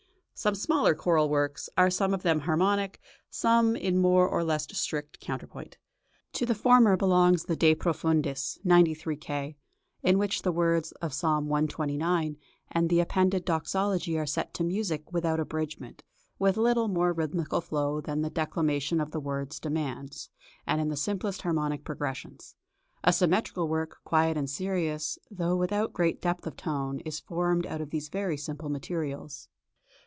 Some smaller choral works are some of them harmonic, some in more or less strict counterpoint. To the former belongs the "De profundis" (93 K.), in which the words of Psalm cxxix. and the appended doxology are set to music without abridgment, with little more rhythmical flow than the declamation of the words demands, and in the simplest harmonic progressions. A symmetrical work, quiet and serious, though without great depth of tone, is formed out of these very simple materials.